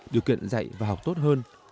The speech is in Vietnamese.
điều kiện dạy và học tốt hơn